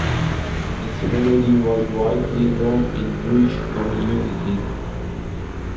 Its melody was widely known in Jewish communities.